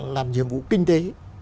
làm nhiệm vụ kinh tế